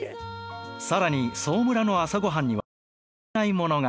更にソー村の朝ごはんには欠かせないものが。